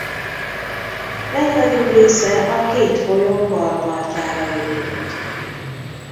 Legnagyobb része a két folyó bal partjára épült.